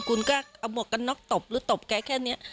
คุณก็เอาหมวกกันน็อกตบหรือตบแกแค่นี้